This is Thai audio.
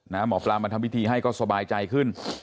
หมอปลามาทำพิธีให้ก็สบายใจขึ้น